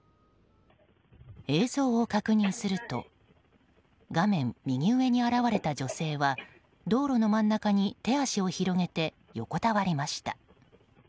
映像を確認すると画面右上に現れた女性は道路の真ん中に手足を広げて横たわりました。